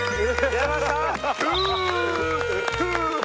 出ました